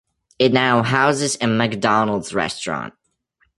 It now houses a McDonald's restaurant.